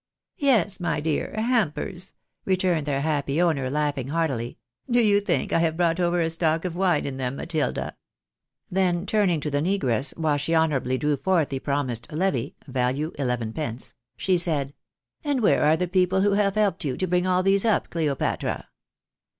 " Yes, my dear, hampers," returned their happy owner, laugh ing heartily. " Do you think I have brought over a stock of wine in them, Matilda?" Then turning to the negress, while she honourably drew forth the promised levy (value elevenpence), she said, " And where are the people who have helped you to bring all these up, Cleopatra?